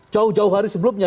jauh jauh hari sebelumnya